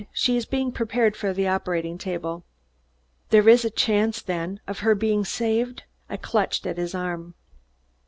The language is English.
"She is being prepared for the operating table." "There is a chance, then, of her being saved?" I clutched at his arm.